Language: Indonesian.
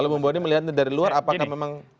kalau bu mbak wadi melihatnya dari luar apakah memang